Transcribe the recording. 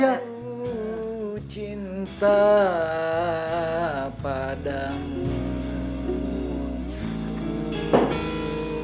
aku cinta padamu